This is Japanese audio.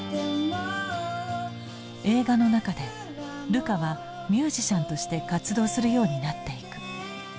映画の中でルカはミュージシャンとして活動するようになっていく。